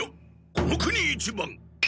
この国一番！